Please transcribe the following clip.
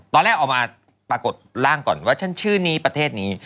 ตอนแรกออกมาปรากฏร่างก่อนว่าฉันชื่อนี้ประเทศนี้